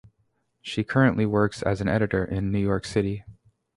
She currently works as an editor in New York City.